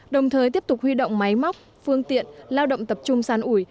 đồng thời tiếp tục huy động máy móc phương tiện lao động tập trung sàn ủi